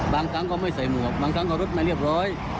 ครั้งก็ไม่ใส่หมวกบางครั้งเอารถมาเรียบร้อย